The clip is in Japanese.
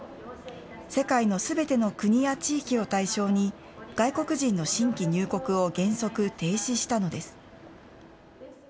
世界のすべての国や地域を対象に、外国人の新規入国を原則停止したのです。